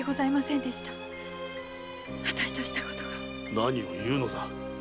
何を言うのだ。